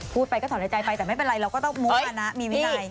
พูดไปก็ถอนในใจไปแต่ไม่เป็นไรเราก็ต้องมุมานะมีวินัย